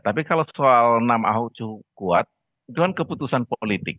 tapi kalau soal nama ahok itu kuat itu kan keputusan politik